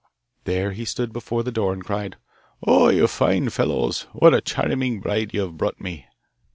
There he stood before the door, and cried: 'Oh! you fine fellows, what a charming bride you have brought me!